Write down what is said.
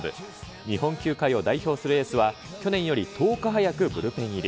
日本球界を代表するエースは、去年より１０日早くブルペン入り。